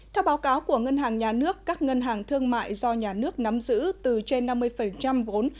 theo báo cáo của ngân hàng nhà nước các ngân hàng thương mại do nhà nước nắm giữ từ trên năm mươi vốn